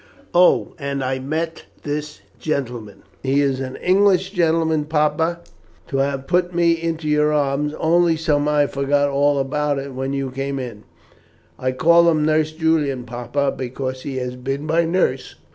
Oh, and I meant this gentleman he is an English gentleman, papa to have put me into your arms, only somehow I forgot all about it when you came in. I call him Nurse Julian, papa, because he has been my nurse.